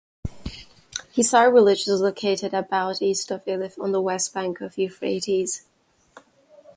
Hisar village is located about east of Elif on the west bank of Euphrates.